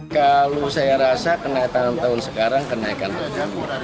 kalau saya rasa kenaikan tahun sekarang kenaikan harga